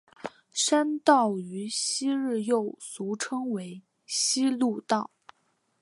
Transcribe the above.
山道于昔日又俗称为希路道。